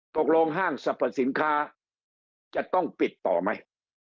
ตกลงห้างสรรพสินค้าจะต้องปิดต่อไหม